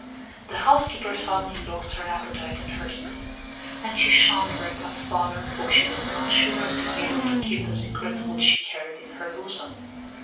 The housekeeper suddenly lost her appetite and her sleep; and she shunned Berta's father, for she was not sure of being able to keep the secret which she carried in her bosom.